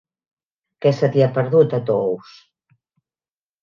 Què se t'hi ha perdut, a Tous?